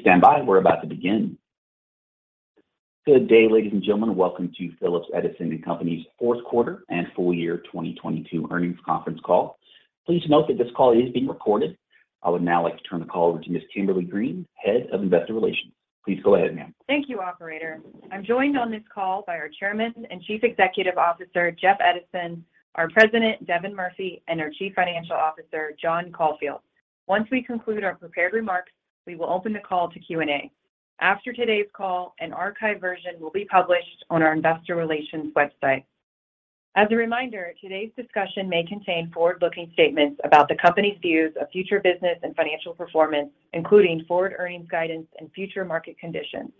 Please stand by. We're about to begin. Good day, ladies and gentlemen. Welcome to Phillips Edison & Company's fourth quarter and full year 2022 earnings Conference Call. Please note that this call is being recorded. I would now like to turn the call over to Ms. Kimberly Green, Head of Investor Relations. Please go ahead, ma'am. Thank you, operator. I'm joined on this call by our Chairman and Chief Executive Officer, Jeff Edison, our President, Devin Murphy, and our Chief Financial Officer, John Caulfield. Once we conclude our prepared remarks, we will open the call to Q&A. After today's call, an archive version will be published on our investor relations website. As a reminder, today's discussion may contain forward-looking statements about the company's views of future business and financial performance, including forward earnings guidance and future market conditions.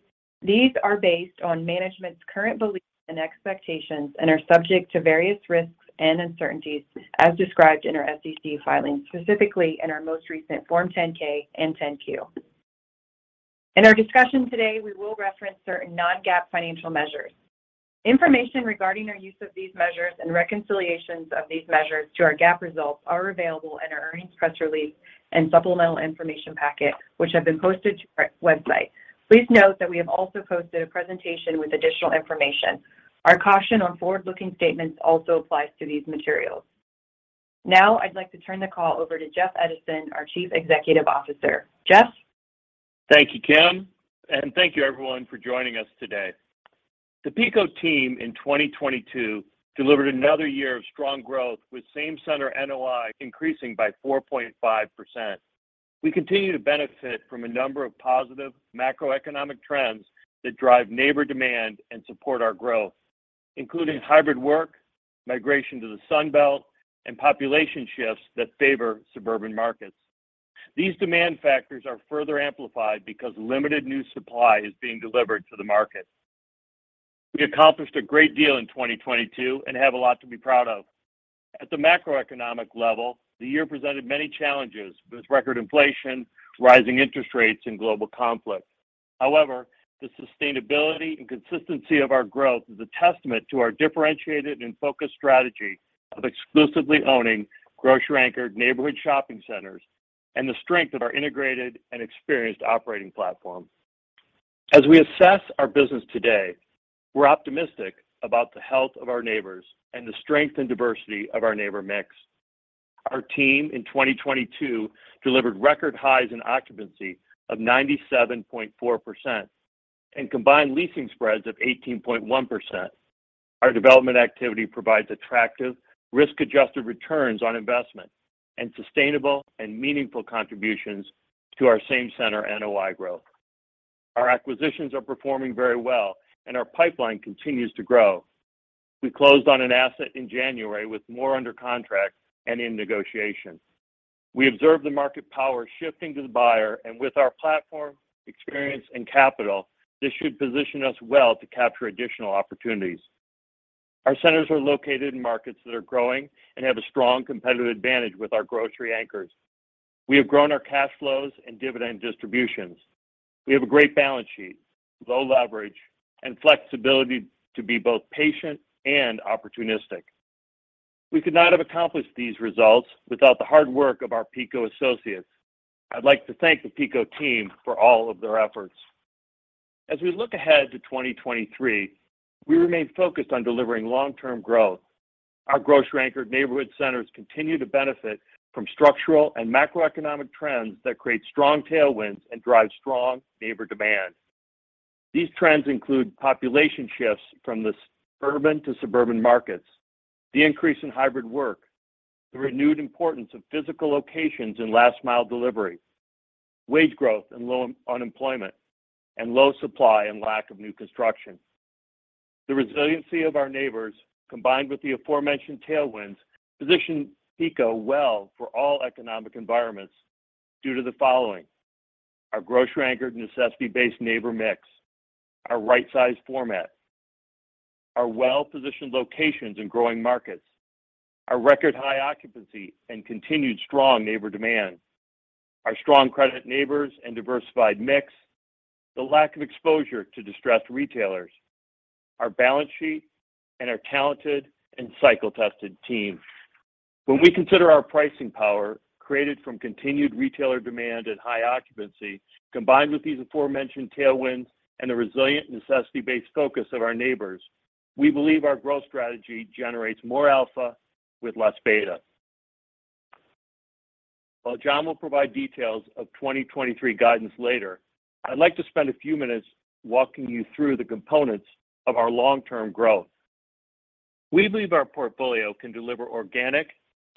These are based on management's current beliefs and expectations and are subject to various risks and uncertainties as described in our SEC filings, specifically in our most recent Form 10-K and 10-Q. In our discussion today, we will reference certain non-GAAP financial measures. Information regarding our use of these measures and reconciliations of these measures to our GAAP results are available in our earnings press release and supplemental information packet, which have been posted to our website. Please note that we have also posted a presentation with additional information. Our caution on forward-looking statements also applies to these materials. Now, I'd like to turn the call over to Jeff Edison, our Chief Executive Officer. Jeff? Thank you, Kim, and thank you everyone for joining us today. The PECO team in 2022 delivered another year of strong growth with same-center NOI increasing by 4.5%. We continue to benefit from a number of positive macroeconomic trends that drive neighbor demand and support our growth, including hybrid work, migration to the Sun Belt, and population shifts that favor suburban markets. These demand factors are further amplified because limited new supply is being delivered to the market. We accomplished a great deal in 2022 and have a lot to be proud of. At the macroeconomic level, the year presented many challenges with record inflation, rising interest rates, and global conflict. The sustainability and consistency of our growth is a testament to our differentiated and focused strategy of exclusively owning grocery-anchored neighborhood shopping centers and the strength of our integrated and experienced operating platform. As we assess our business today, we're optimistic about the health of our neighbors and the strength and diversity of our neighbor mix. Our team in 2022 delivered record highs in occupancy of 97.4% and combined leasing spreads of 18.1%. Our development activity provides attractive risk-adjusted returns on investment and sustainable and meaningful contributions to our same-center NOI growth. Our acquisitions are performing very well, and our pipeline continues to grow. We closed on an asset in January with more under contract and in negotiation. We observe the market power shifting to the buyer, and with our platform, experience, and capital, this should position us well to capture additional opportunities. Our centers are located in markets that are growing and have a strong competitive advantage with our grocery anchors. We have grown our cash flows and dividend distributions. We have a great balance sheet, low leverage, and flexibility to be both patient and opportunistic. We could not have accomplished these results without the hard work of our PECO associates. I'd like to thank the PECO team for all of their efforts. As we look ahead to 2023, we remain focused on delivering long-term growth. Our grocery-anchored neighborhood centers continue to benefit from structural and macroeconomic trends that create strong tailwinds and drive strong neighbor demand. These trends include population shifts from the urban to suburban markets, the increase in hybrid work, the renewed importance of physical locations in last mile delivery, wage growth and low unemployment, and low supply and lack of new construction. The resiliency of our neighbors, combined with the aforementioned tailwinds, position PECO well for all economic environments due to the following: our grocery-anchored necessity-based neighbor mix, our right-size format, our well-positioned locations in growing markets, our record high occupancy and continued strong neighbor demand, our strong credit neighbors and diversified mix, the lack of exposure to distressed retailers, our balance sheet, and our talented and cycle-tested team. When we consider our pricing power created from continued retailer demand and high occupancy, combined with these aforementioned tailwinds and the resilient necessity-based focus of our neighbors, we believe our growth strategy generates more alpha with less beta. While John will provide details of 2023 guidance later, I'd like to spend a few minutes walking you through the components of our long-term growth. We believe our portfolio can deliver organic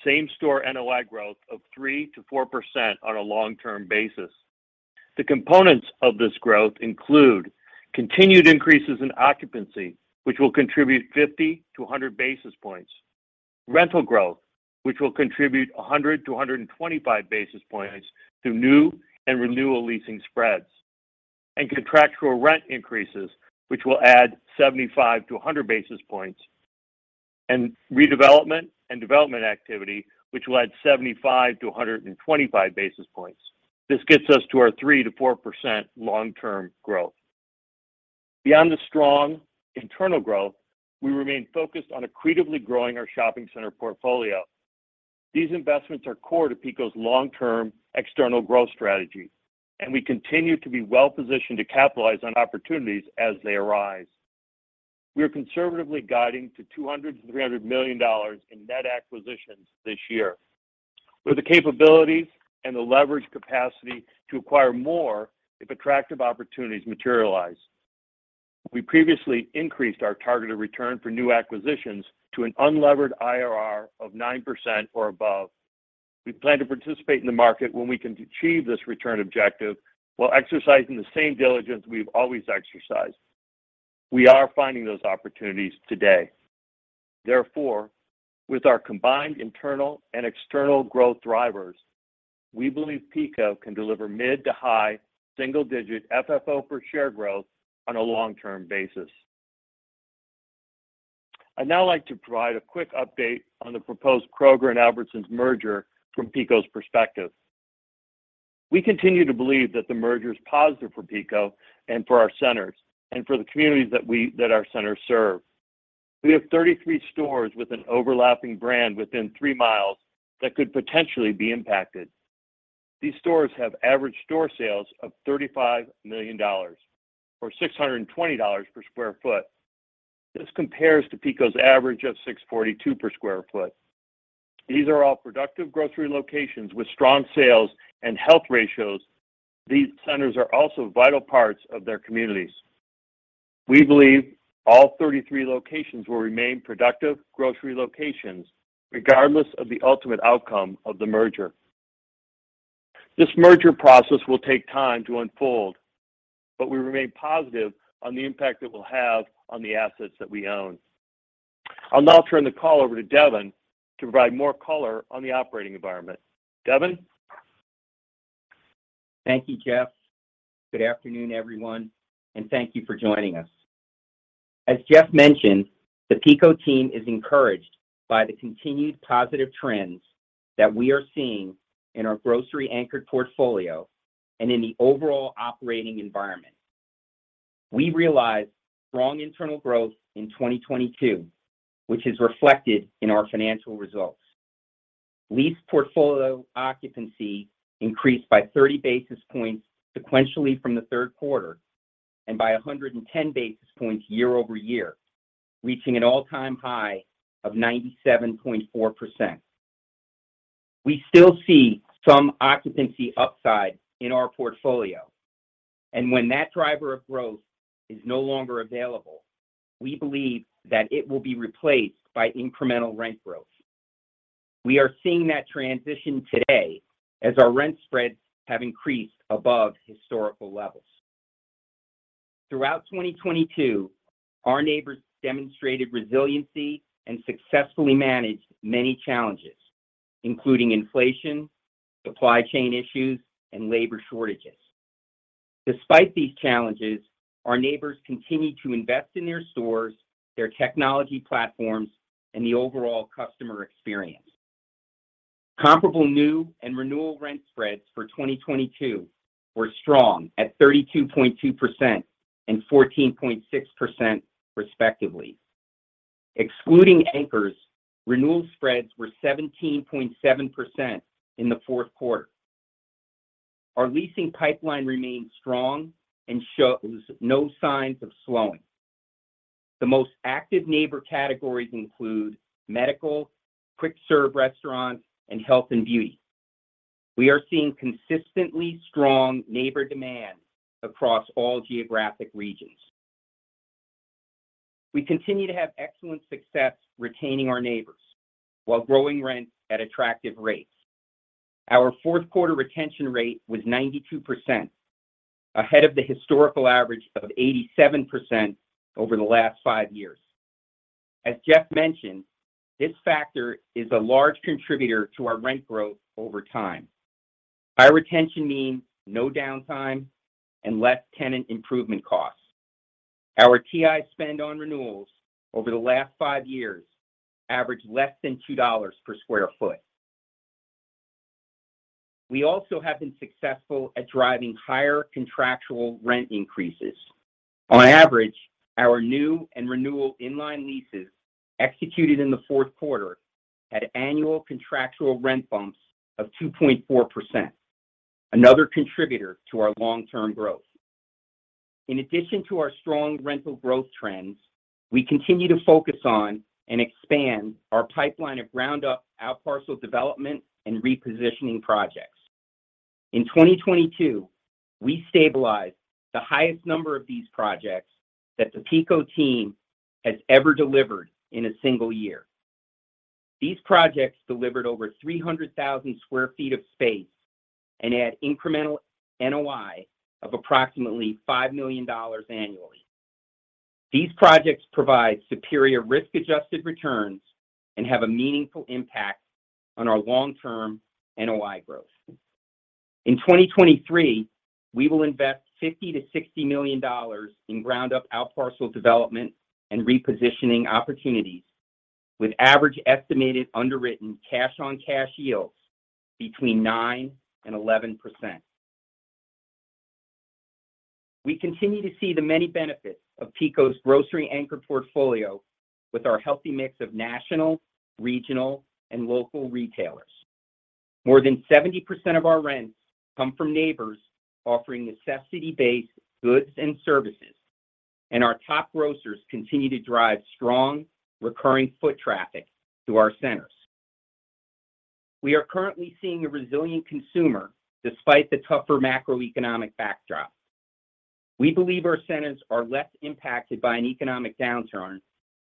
same-store NOI growth of 3%-4% on a long-term basis. The components of this growth include continued increases in occupancy, which will contribute 50-100 basis points, rental growth, which will contribute 100 to 125 basis points through new and renewal leasing spreads, and contractual rent increases, which will add 75-100 basis points, and redevelopment and development activity, which will add 75-125 basis points. This gets us to our 3%-4% long-term growth. Beyond the strong internal growth, we remain focused on accretively growing our shopping center portfolio. These investments are core to PECO's long-term external growth strategy, and we continue to be well-positioned to capitalize on opportunities as they arise. We are conservatively guiding to $200 million-$300 million in net acquisitions this year, with the capabilities and the leverage capacity to acquire more if attractive opportunities materialize. We previously increased our targeted return for new acquisitions to an unlevered IRR of 9% or above. We plan to participate in the market when we can achieve this return objective while exercising the same diligence we've always exercised. We are finding those opportunities today. With our combined internal and external growth thrivers, we believe PECO can deliver mid to high single-digit FFO per share growth on a long-term basis. I'd now like to provide a quick update on the proposed Kroger and Albertsons merger from PECO's perspective. We continue to believe that the merger is positive for PECO and for our centers and for the communities that our centers serve. We have 33 stores with an overlapping brand within three miles that could potentially be impacted. These stores have average store sales of $35 million or $620 per square foot. This compares to PECO's average of $642 per square foot. These are all productive grocery locations with strong sales and health ratios. These centers are also vital parts of their communities. We believe all 33 locations will remain productive grocery locations regardless of the ultimate outcome of the merger. This merger process will take time to unfold, we remain positive on the impact it will have on the assets that we own. I'll now turn the call over to Devin to provide more color on the operating environment. Devin. Thank you, Jeff. Good afternoon, everyone, and thank you for joining us. As Jeff mentioned, the PECO team is encouraged by the continued positive trends that we are seeing in our grocery-anchored portfolio and in the overall operating environment. We realized strong internal growth in 2022, which is reflected in our financial results. Lease portfolio occupancy increased by 30 basis points sequentially from the third quarter and by 110 basis points year-over-year, reaching an all-time high of 97.4%. We still see some occupancy upside in our portfolio, and when that driver of growth is no longer available, we believe that it will be replaced by incremental rent growth. We are seeing that transition today as our rent spreads have increased above historical levels. Throughout 2022, our neighbors demonstrated resiliency and successfully managed many challenges, including inflation, supply chain issues, and labor shortages. Despite these challenges, our neighbors continued to invest in their stores, their technology platforms, and the overall customer experience. Comparable new and renewal rent spreads for 2022 were strong at 32.2% and 14.6%, respectively. Excluding anchors, renewal spreads were 17.7% in the fourth quarter. Our leasing pipeline remains strong and shows no signs of slowing. The most active neighbor categories include medical, quick serve restaurants, and health and beauty. We are seeing consistently strong neighbor demand across all geographic regions. We continue to have excellent success retaining our neighbors while growing rent at attractive rates. Our fourth quarter retention rate was 92%, ahead of the historical average of 87 over the last five years. As Jeff mentioned, this factor is a large contributor to our rent growth over time. High retention means no downtime and less tenant improvement costs. Our TI spend on renewals over the last five years averaged less than $2 per sq ft. We also have been successful at driving higher contractual rent increases. On average, our new and renewal inline leases executed in the fourth quarter had annual contractual rent bumps of 2.4%, another contributor to our long-term growth. In addition to our strong rental growth trends, we continue to focus on and expand our pipeline of ground up out parcel development and repositioning projects. In 2022, we stabilized the highest number of these projects that the PECO team has ever delivered in a single year. These projects delivered over 300,000 sq ft of space and add incremental NOI of approximately $5 million annually. These projects provide superior risk-adjusted returns and have a meaningful impact on our long-term NOI growth. In 2023, we will invest $50 million-$60 million in ground up outparcel development and repositioning opportunities, with average estimated underwritten cash on cash yields between 9% and 11%. We continue to see the many benefits of PECO's grocery-anchored portfolio with our healthy mix of national, regional, and local retailers. More than 70% of our rents come from neighbors offering necessity-based goods and services, and our top grocers continue to drive strong recurring foot traffic to our centers. We are currently seeing a resilient consumer despite the tougher macroeconomic backdrop. We believe our centers are less impacted by an economic downturn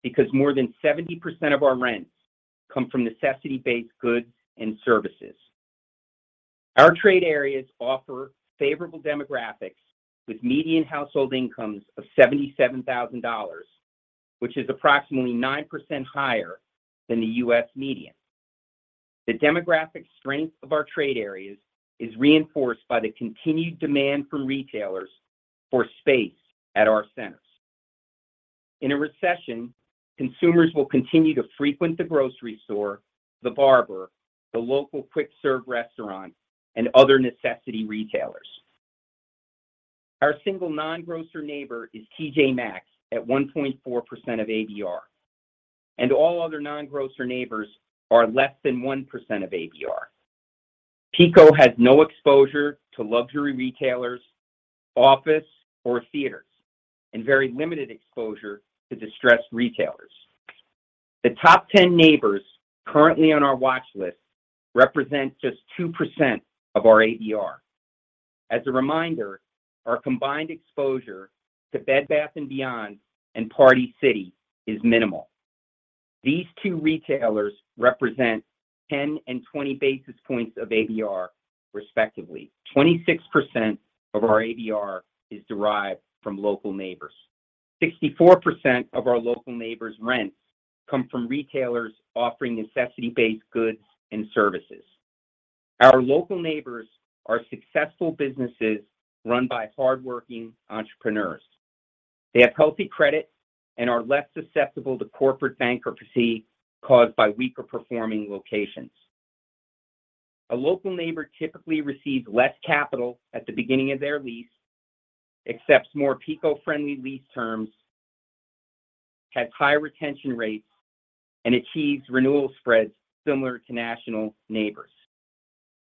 because more than 70% of our rents come from necessity-based goods and services. Our trade areas offer favorable demographics with median household incomes of $77,000, which is approximately 9% higher than the U.S. median. The demographic strength of our trade areas is reinforced by the continued demand from retailers for space at our centers. In a recession, consumers will continue to frequent the grocery store, the barber, the local quick serve restaurant, and other necessity retailers. Our single non-grocer neighbor is TJ Maxx at 1.4% of ADR, and all other non-grocer neighbors are less than 1% of ADR. PECO has no exposure to luxury retailers, office or theaters, and very limited exposure to distressed retailers. The top 10 neighbors currently on our watch list represent just 2% of our ADR. As a reminder, our combined exposure to Bed Bath & Beyond and Party City is minimal. These two retailers represent 10 and 20 basis points of ADR, respectively. 26% of our ADR is derived from local neighbors. 64% of our local neighbors' rents come from retailers offering necessity-based goods and services. Our local neighbors are successful businesses run by hardworking entrepreneurs. They have healthy credit and are less susceptible to corporate bankruptcy caused by weaker performing locations. A local neighbor typically receives less capital at the beginning of their lease, accepts more PECO-friendly lease terms, has high retention rates, and achieves renewal spreads similar to national neighbors.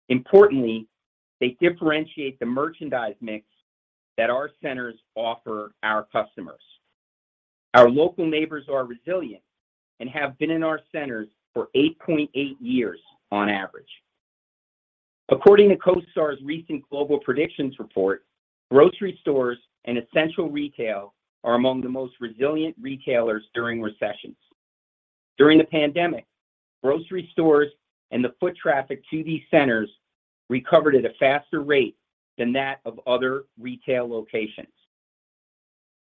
Importantly, they differentiate the merchandise mix that our centers offer our customers. Our local neighbors are resilient and have been in our centers for 8.8 years on average. According to CoStar's recent Global Predictions report, grocery stores and essential retail are among the most resilient retailers during recessions. During the pandemic, grocery stores and the foot traffic to these centers recovered at a faster rate than that of other retail locations.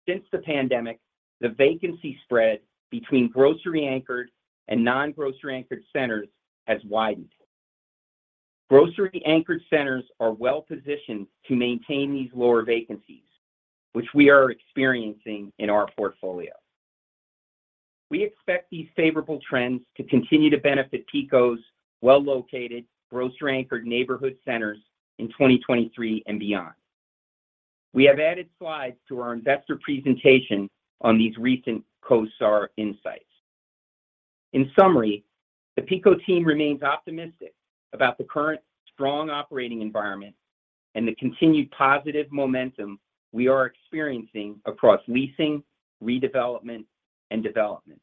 Since the pandemic, the vacancy spread between grocery anchored and non-grocery anchored centers has widened. Grocery anchored centers are well-positioned to maintain these lower vacancies, which we are experiencing in our portfolio. We expect these favorable trends to continue to benefit PECO's well-located grocery anchored neighborhood centers in 2023 and beyond. We have added slides to our investor presentation on these recent CoStar insights. In summary, the PECO team remains optimistic about the current strong operating environment and the continued positive momentum we are experiencing across leasing, redevelopment, and development.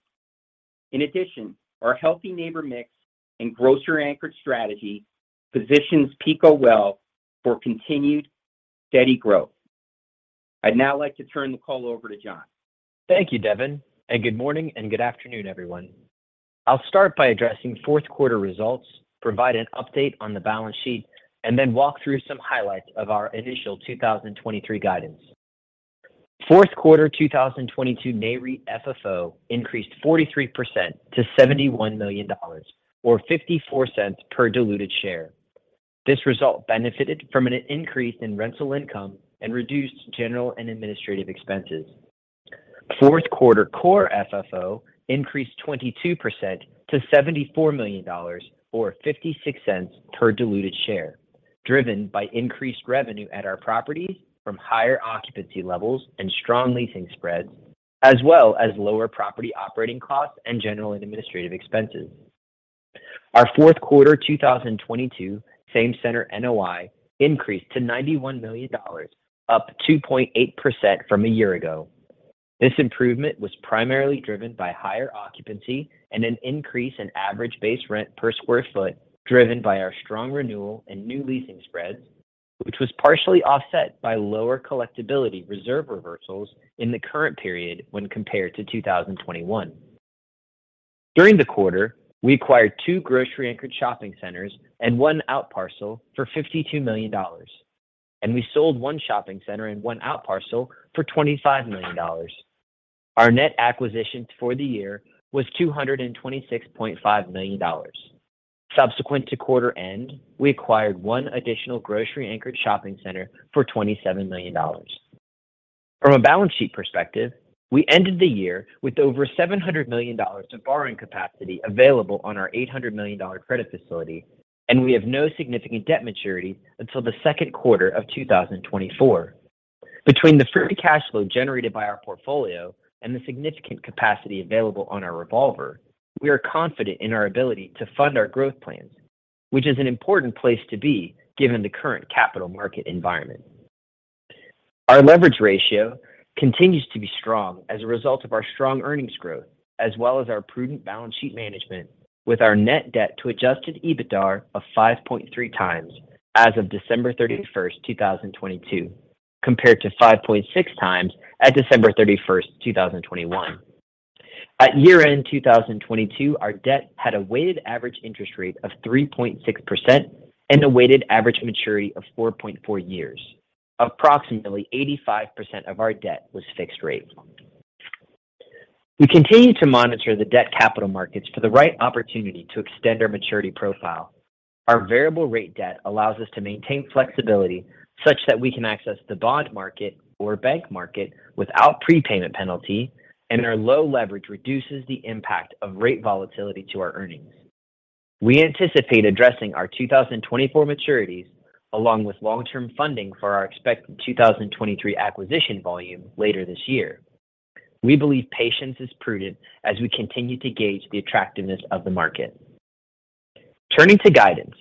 Our healthy neighbor mix and grocery-anchored strategy positions PECO well for continued steady growth. I'd now like to turn the call over to John. Thank you, Devin. Good morning and good afternoon, everyone. I'll start by addressing fourth quarter results, provide an update on the balance sheet, and then walk through some highlights of our initial 2023 guidance. Fourth quarter 2022 Nareit FFO increased 43% to $71 million or $0.54 per diluted share. This result benefited from an increase in rental income and reduced general and administrative expenses. Fourth quarter core FFO increased 22% to $74 million or $0.56 per diluted share, driven by increased revenue at our properties from higher occupancy levels and strong leasing spreads, as well as lower property operating costs and general and administrative expenses. Our fourth quarter 2022 same-center NOI increased to $91 million, up 2.8% from a year ago. This improvement was primarily driven by higher occupancy and an increase in average base rent per square foot, driven by our strong renewal and new leasing spreads, which was partially offset by lower collectibility reserve reversals in the current period when compared to 2021. During the quarter, we acquired two grocery-anchored shopping centers and one outparcel for $52 million. We sold 1 shopping center and one outparcel for $25 million. Our net acquisition for the year was $226.5 million. Subsequent to quarter end, we acquired one additional grocery anchored shopping center for $27 million. From a balance sheet perspective, we ended the year with over $700 million of borrowing capacity available on our $800 million credit facility, and we have no significant debt maturity until the second quarter of 2024. Between the free cash flow generated by our portfolio and the significant capacity available on our revolver, we are confident in our ability to fund our growth plans, which is an important place to be given the current capital market environment. Our leverage ratio continues to be strong as a result of our strong earnings growth, as well as our prudent balance sheet management with our net debt to adjusted EBITDAre of 5.3x as of 31st December 2022, compared to 5.6x at 31st December 2021. At year-end 2022, our debt had a weighted average interest rate of 3.6% and a weighted average maturity of 4.4 years. Approximately 85% of our debt was fixed rate. We continue to monitor the debt capital markets for the right opportunity to extend our maturity profile. Our variable rate debt allows us to maintain flexibility such that we can access the bond market or bank market without prepayment penalty. Our low leverage reduces the impact of rate volatility to our earnings. We anticipate addressing our 2024 maturities along with long-term funding for our expected 2023 acquisition volume later this year. We believe patience is prudent as we continue to gauge the attractiveness of the market. Turning to guidance,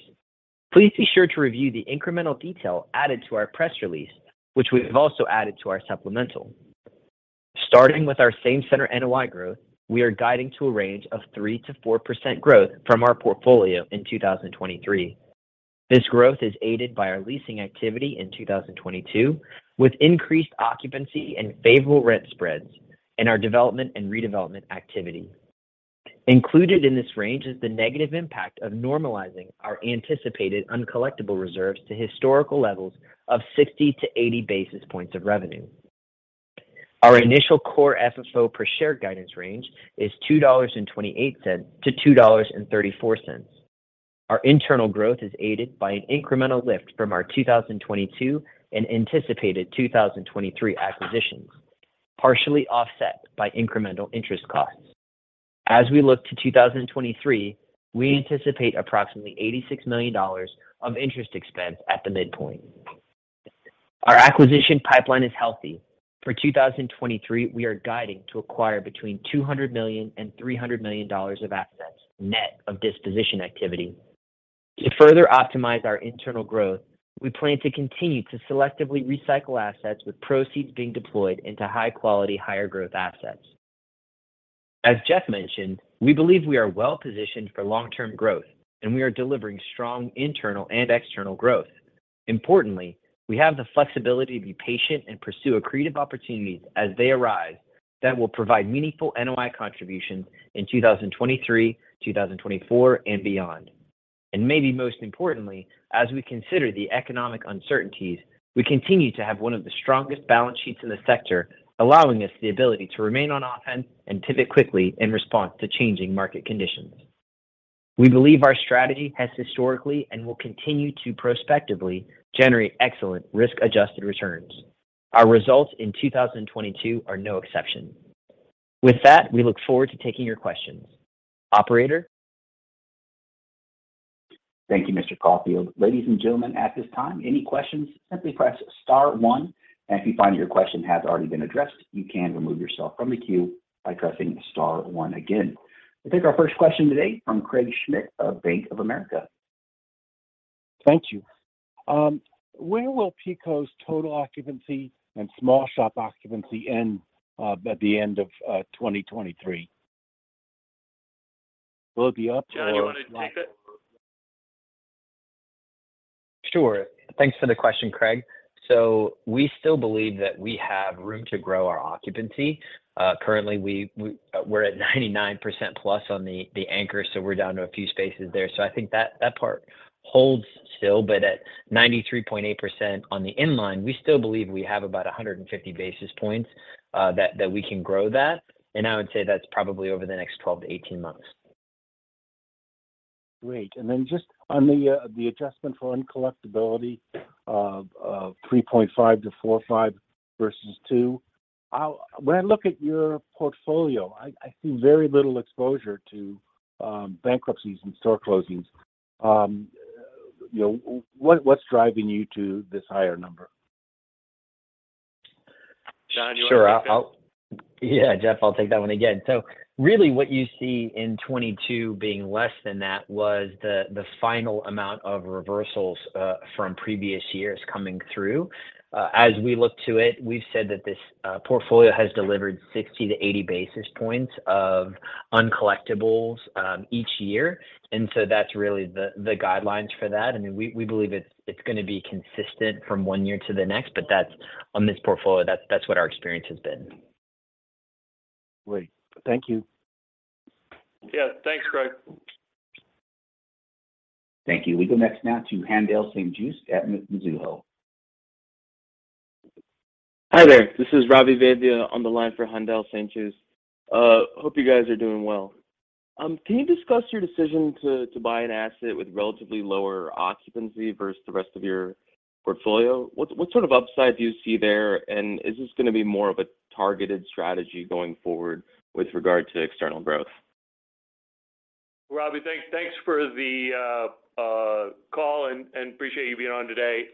please be sure to review the incremental detail added to our press release, which we have also added to our supplemental. Starting with our same-center NOI growth, we are guiding to a range of 3%-4% growth from our portfolio in 2023. This growth is aided by our leasing activity in 2022, with increased occupancy and favorable rent spreads and our development and redevelopment activity. Included in this range is the negative impact of normalizing our anticipated uncollectible reserves to historical levels of 60-80 basis points of revenue. Our initial core FFO per share guidance range is $2.28-$2.34. Our internal growth is aided by an incremental lift from our 2022 and anticipated 2023 acquisitions, partially offset by incremental interest costs. As we look to 2023, we anticipate approximately $86 million of interest expense at the midpoint. Our acquisition pipeline is healthy. For 2023, we are guiding to acquire between $200 million and $300 million of assets net of disposition activity. To further optimize our internal growth, we plan to continue to selectively recycle assets with proceeds being deployed into high quality, higher growth assets. As Jeff mentioned, we believe we are well positioned for long-term growth, and we are delivering strong internal and external growth. Importantly, we have the flexibility to be patient and pursue accretive opportunities as they arise that will provide meaningful NOI contributions in 2023, 2024, and beyond. Maybe most importantly, as we consider the economic uncertainties, we continue to have one of the strongest balance sheets in the sector, allowing us the ability to remain on offense and pivot quickly in response to changing market conditions. We believe our strategy has historically and will continue to prospectively generate excellent risk-adjusted returns. Our results in 2022 are no exception. With that, we look forward to taking your questions. Operator? Thank you, Mr. Caulfield. Ladies and gentlemen, at this time, any questions, simply press star one. If you find your question has already been addressed, you can remove yourself from the queue by pressing star one again. We'll take our first question today from Craig Schmidt of Bank of America. Thank you. Where will PECO's total occupancy and small shop occupancy end at the end of 2023? Will it be up or flat? Sure. Thanks for the question, Craig. We still believe that we have room to grow our occupancy. Currently we're at 99% plus on the anchor, so we're down to a few spaces there. I think that part holds still. At 93.8% on the inline, we still believe we have about 150 basis points that we can grow that. I would say that's probably over the next 12-18 months. Great. Then just on the adjustment for uncollectibility of 3.5-4.5 versus two. When I look at your portfolio, I see very little exposure to bankruptcies and store closings. You know, what's driving you to this higher number? Sure. John, do you want to take this? Yeah, Jeff, I'll take that one again. Really what you see in 22 being less than that was the final amount of reversals from previous years coming through. As we look to it, we've said that this portfolio has delivered 60-80 basis points of uncollectibles each year. That's really the guidelines for that. I mean, we believe it's gonna be consistent from one year to the next, but that's on this portfolio, that's what our experience has been. Great. Thank you. Yeah. Thanks, Craig. Thank you. We go next now to Haendel St. Juste at Mizuho. Hi there. This is Ravi Vaidya on the line for Haendel St. Juste. Hope you guys are doing well. Can you discuss your decision to buy an asset with relatively lower occupancy versus the rest of your portfolio? What sort of upside do you see there? Is this gonna be more of a targeted strategy going forward with regard to external growth? Robbie, thanks for the call and appreciate you being on today.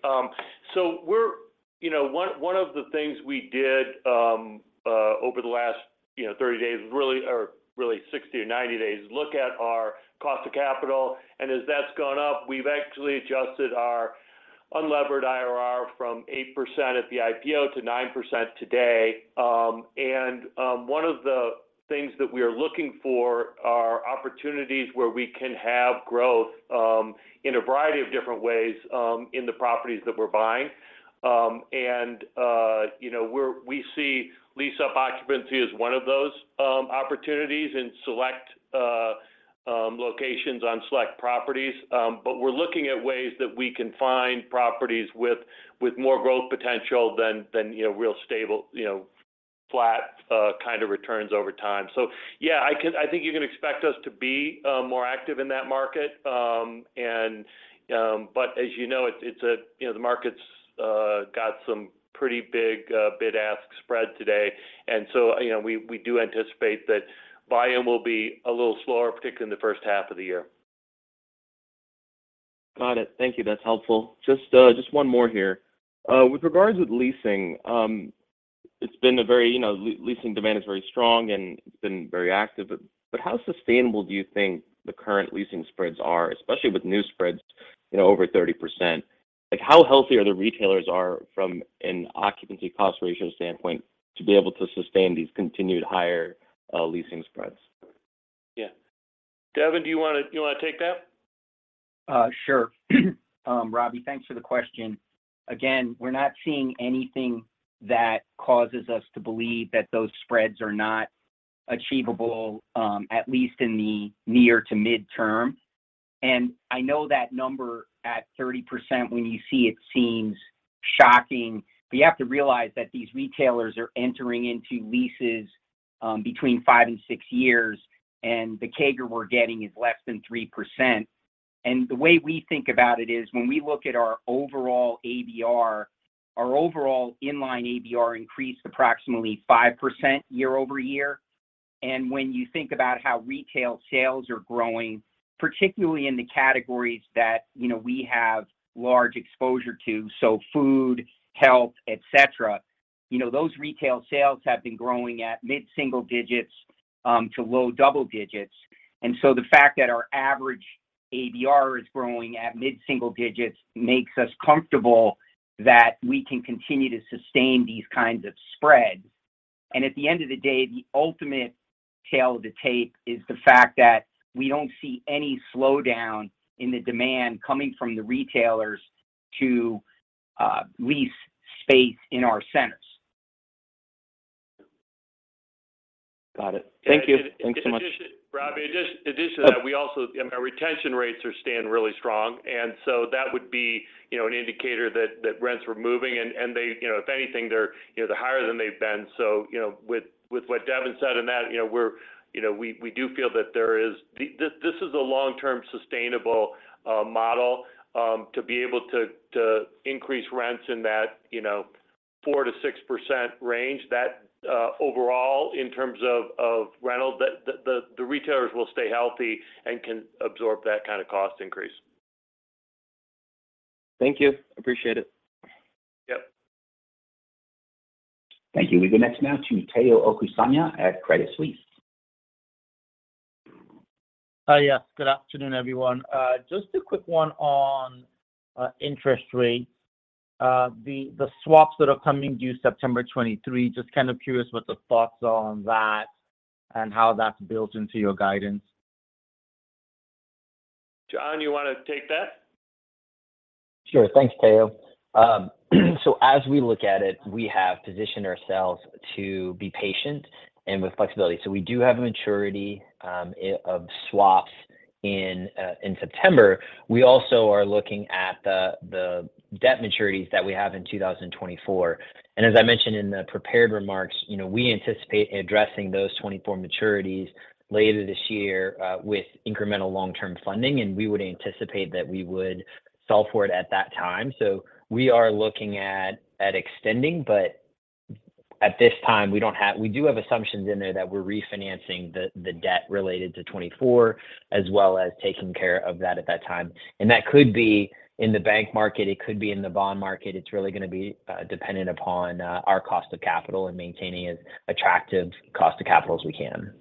You know, one of the things we did over the last, you know, 30 days, or 60 or 90 days, is look at our cost of capital. As that's gone up, we've actually adjusted our unlevered IRR from 8% at the IPO to 9% today. One of the things that we are looking for are opportunities where we can have growth in a variety of different ways in the properties that we're buying. You know, we see lease-up occupancy as one of those opportunities in select locations on select properties. We're looking at ways that we can find properties with more growth potential than, you know, real stable, you know, flat, kind of returns over time. So yeah, I think you can expect us to be, more active in that market. But as you know, it's a, you know, the market's, got some pretty big, bid-ask spread today. So, you know, we do anticipate that volume will be a little slower, particularly in the 1st half of the year. Got it. Thank you. That's helpful. Just one more here. With regards with leasing, it's been a very, you know, leasing demand is very strong, and it's been very active. How sustainable do you think the current leasing spreads are, especially with new spreads, you know, over 30%? Like, how healthy are the retailers from an occupancy cost ratio standpoint to be able to sustain these continued higher leasing spreads? Yeah. Devin, do you wanna take that? Sure. Robbie, thanks for the question. Again, we're not seeing anything that causes us to believe that those spreads are not achievable, at least in the near to mid-term. I know that number at 30% when you see it seems shocking, but you have to realize that these retailers are entering into leases between 5 and six years, and the CAGR we're getting is less than 3%. The way we think about it is when we look at our overall ABR, our overall inline ABR increased approximately 5% year-over-year. When you think about how retail sales are growing, particularly in the categories that, you know, we have large exposure to, so food, health, et cetera, you know, those retail sales have been growing at mid-single digits to low double digits. The fact that our average ABR is growing at mid-single digits makes us comfortable that we can continue to sustain these kinds of spreads. At the end of the day, the ultimate tale of the tape is the fact that we don't see any slowdown in the demand coming from the retailers to lease space in our centers. Got it. Thank you. Thanks so much. In addition, Robbie, addition to that, our retention rates are staying really strong. That would be, you know, an indicator that rents were moving. They, you know, if anything, they're, you know, they're higher than they've been. You know, with what Devin said in that, you know, we do feel that there is. This is a long-term sustainable model to be able to increase rents in that, you know, 4%-6% range. Overall in terms of rental, the retailers will stay healthy and can absorb that kind of cost increase. Thank you. Appreciate it. Yep. Thank you. We go next now to Tayo Okusanya at Credit Suisse. Yes. Good afternoon, everyone. Just a quick one on interest rates. The swaps that are coming due September 2023, just kind of curious what the thoughts are on that and how that's built into your guidance. John, you wanna take that? Sure. Thanks, Tayo. As we look at it, we have positioned ourselves to be patient and with flexibility. We do have a maturity of swaps in September. We also are looking at the debt maturities that we have in 2024. As I mentioned in the prepared remarks, you know, we anticipate addressing those 2024 maturities later this year with incremental long-term funding. We would anticipate that we would solve for it at that time. We are looking at extending, but at this time, We do have assumptions in there that we're refinancing the debt related to 2024 as well as taking care of that at that time. That could be in the bank market, it could be in the bond market. It's really gonna be, dependent upon, our cost of capital and maintaining as attractive cost of capital as we can.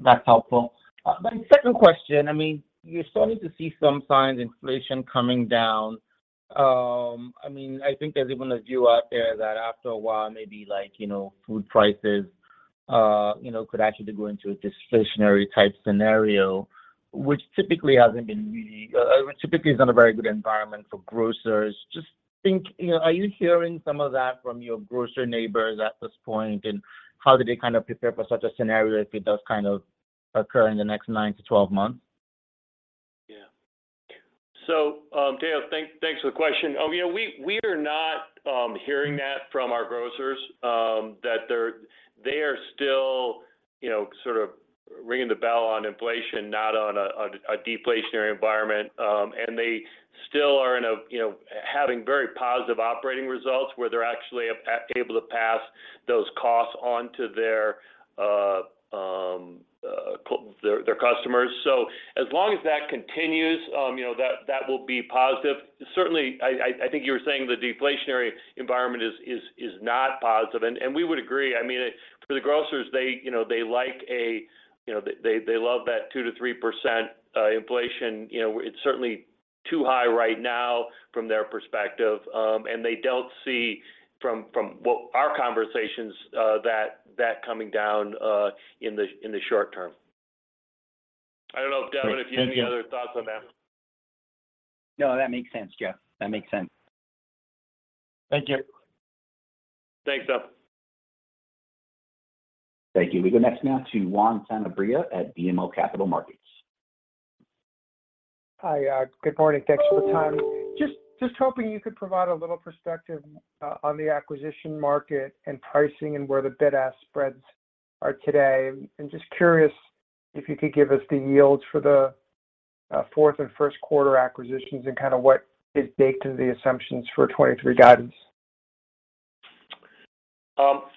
That's helpful. My second question, I mean, you're starting to see some signs inflation coming down. I mean, I think there's even a view out there that after a while, maybe like, you know, food prices, you know, could actually go into a disinflationary type scenario, which typically is not a very good environment for grocers. Just think, you know, are you hearing some of that from your grocer neighbors at this point, and how do they kind of prepare for such a scenario if it does kind of occur in the next 9-12 months? Dale, thanks for the question. You know, we are not hearing that from our grocers, that they are still, you know, sort of ringing the bell on inflation, not on a deflationary environment. And they still are in a, you know, having very positive operating results where they're actually able to pass those costs on to their customers. As long as that continues, you know, that will be positive. Certainly, I think you were saying the deflationary environment is not positive. We would agree. I mean, for the grocers, they, you know, they like a, you know, they love that 2%-3% inflation. You know, it's certainly too high right now from their perspective. They don't see from what our conversations, that coming down, in the short term. I don't know, Devin, if you have any other thoughts on that. No, that makes sense, Jeff. That makes sense. Thank you. Thanks, Devin. Thank you. We go next now to Juan Sanabria at BMO Capital Markets. Hi. Good morning. Thanks for the time. Just hoping you could provide a little perspective on the acquisition market and pricing and where the bid-ask spreads are today. Just curious if you could give us the yields for the fourth and first quarter acquisitions and kind of what is baked into the assumptions for 23 guidance.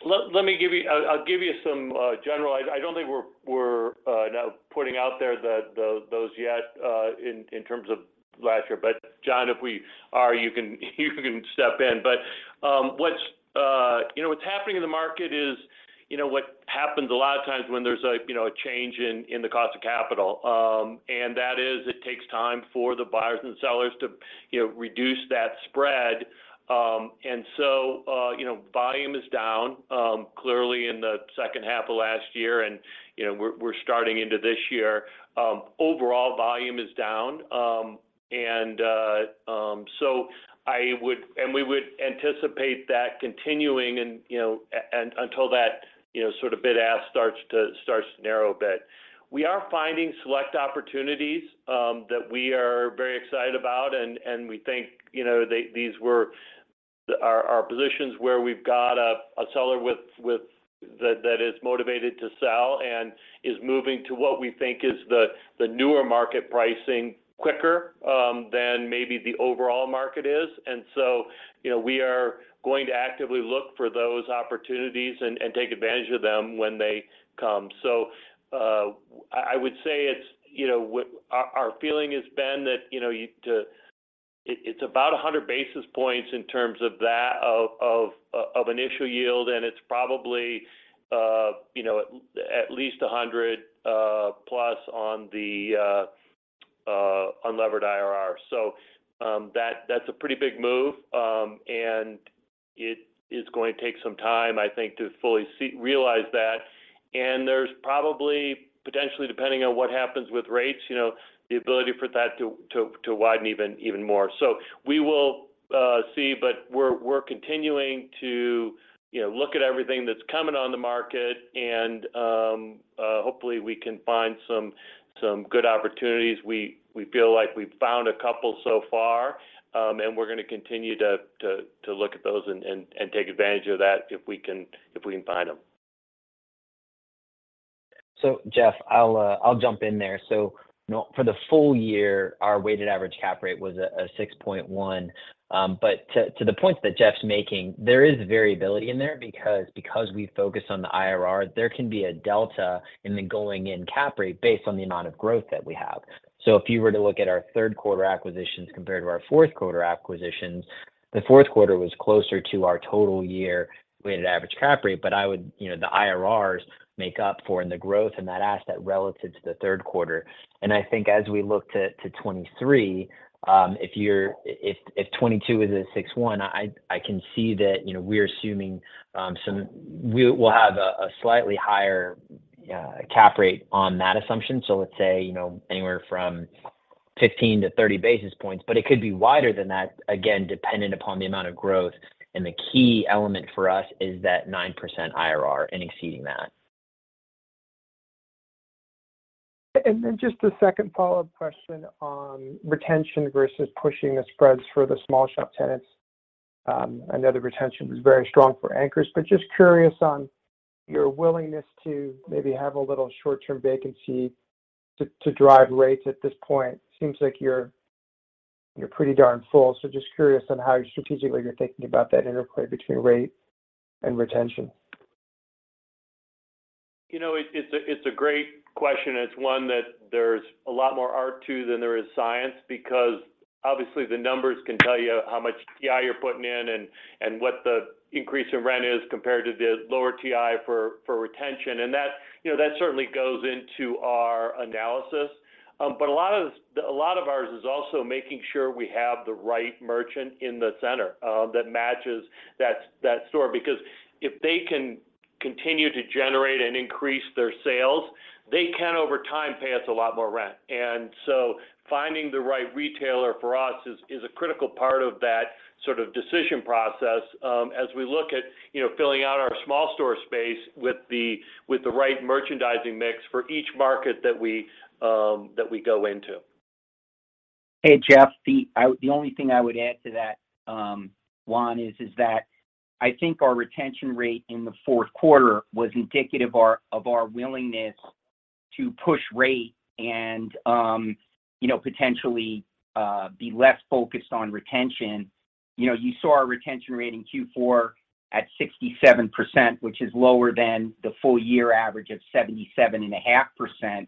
Let me give you. I'll give you some general. I don't think we're now putting out there the those yet in terms of last year. John, if we are, you can step in. What's, you know, what's happening in the market is, you know, what happens a lot of times when there's a, you know, a change in the cost of capital. That is it takes time for the buyers and sellers to, you know, reduce that spread. So, you know, volume is down clearly in the second half of last year. You know, we're starting into this year. Overall volume is down. We would anticipate that continuing and, you know, until that, you know, sort of bid-ask starts to narrow a bit. We are finding select opportunities that we are very excited about, and we think, you know, these were our positions where we've got a seller with that is motivated to sell and is moving to what we think is the newer market pricing quicker than maybe the overall market is. You know, we are going to actively look for those opportunities and take advantage of them when they come. I would say it's, you know, our feeling has been that, you know, you to. It's about 100 basis points in terms of that, of initial yield, and it's probably, you know, at least 100+ on the unlevered IRR. That's a pretty big move, and it is going to take some time, I think, to fully realize that. There's probably, potentially, depending on what happens with rates, you know, the ability for that to widen even more. We will see, but we're continuing to, you know, look at everything that's coming on the market and, hopefully, we can find some good opportunities. We feel like we've found a couple so far, and we're gonna continue to look at those and take advantage of that if we can find them. Jeff, I'll jump in there. You know, for the full year, our weighted average cap rate was a 6.1. To the point that Jeff's making, there is variability in there because we focus on the IRR, there can be a delta in the going-in cap rate based on the amount of growth that we have. If you were to look at our third quarter acquisitions compared to our fourth quarter acquisitions, the fourth quarter was closer to our total year weighted average cap rate. I would. You know, the IRRs make up for in the growth in that asset relative to the third quarter. I think as we look to 23, if 22 is a 6.1, I can see that, you know, we will have a slightly higher cap rate on that assumption. Let's say, you know, anywhere from 15-30 basis points, but it could be wider than that, again, dependent upon the amount of growth. The key element for us is that 9% IRR and exceeding that. Just a second follow-up question on retention versus pushing the spreads for the small shop tenants. I know the retention was very strong for anchors, but just curious on your willingness to maybe have a little short-term vacancy to drive rates at this point. Seems like you're pretty darn full. Just curious on how strategically you're thinking about that interplay between rate and retention? You know, it's a great question. It's one that there's a lot more art to than there is science because obviously the numbers can tell you how much TI you're putting in and what the increase in rent is compared to the lower TI for retention. That, you know, that certainly goes into our analysis. A lot of ours is also making sure we have the right merchant in the center that matches that store. Because if they can continue to generate and increase their sales, they can over time pay us a lot more rent. So finding the right retailer for our is a critical part of that sort of decision process, as we look at, you know, filling out our small store space with the right merchandising mix for each market that we go into. Hey, Jeff. The only thing I would add to that, Juan, is that I think our retention rate in the fourth quarter was indicative of our willingness to push rate and, you know, potentially be less focused on retention. You know, you saw our retention rate in Q4 at 67%, which is lower than the full year average of 77.5%,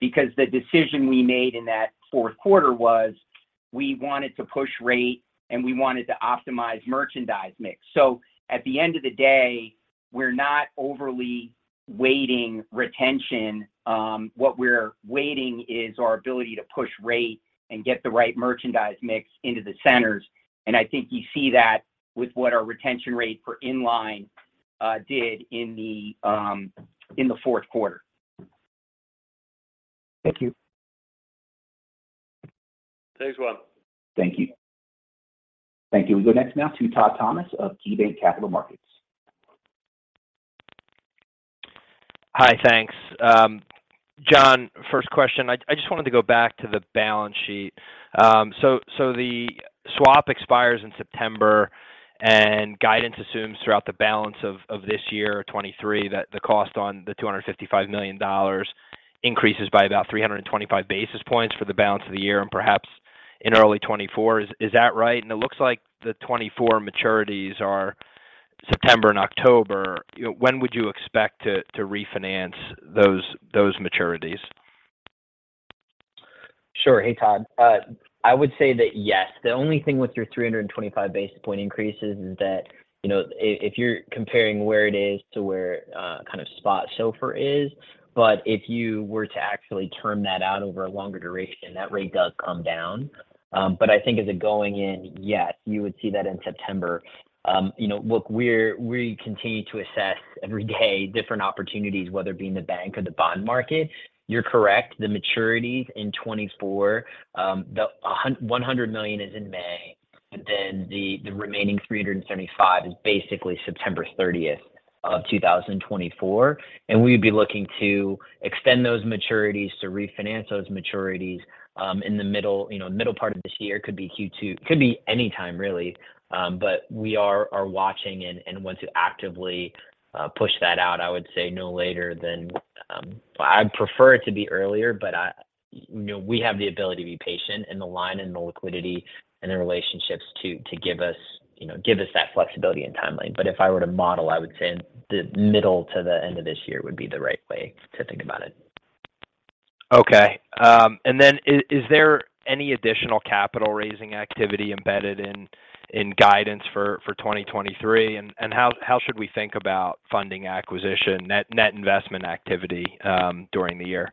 because the decision we made in that fourth quarter was we wanted to push rate, and we wanted to optimize merchandise mix. At the end of the day, we're not overly weighting retention. What we're weighting is our ability to push rate and get the right merchandise mix into the centers. I think you see that with what our retention rate for inline did in the fourth quarter. Thank you. Thanks, Juan. Thank you. Thank you. We go next now to Todd Thomas of KeyBanc Capital Markets. Hi, thanks. John, first question, I just wanted to go back to the balance sheet. The swap expires in September. Guidance assumes throughout the balance of this year, 2023, that the cost on the $255 million increases by about 325 basis points for the balance of the year and perhaps in early 2024. Is that right? It looks like the 2024 maturities are September and October. You know, when would you expect to refinance those maturities? Sure. Hey, Todd. I would say that yes. The only thing with your 325 basis point increases is that, you know, if you're comparing where it is to where kind of spot SOFR is, but if you were to actually term that out over a longer duration, that rate does come down. I think as a going in, yes, you would see that in September. You know, look, we continue to assess every day different opportunities, whether it be in the bank or the bond market. You're correct. The maturities in 2024, the $100 million is in May, the remaining 375 is basically September 30th of 2024. We'd be looking to extend those maturities to refinance those maturities in the middle, you know, middle part of this year, could be Q2, could be anytime, really. We are watching and want to actively push that out, I would say no later than. I'd prefer it to be earlier. You know, we have the ability to be patient in the line and the liquidity and the relationships to give us, you know, give us that flexibility and timeline. If I were to model, I would say in the middle to the end of this year would be the right way to think about it. Okay. Is there any additional capital raising activity embedded in guidance for 2023? How should we think about funding acquisition, net investment activity, during the year?